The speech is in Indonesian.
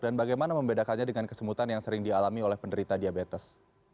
dan bagaimana membedakannya dengan kesemutan yang sering dialami oleh penderita diabetes